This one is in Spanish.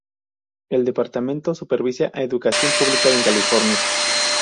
El departamento supervisa educación pública en California.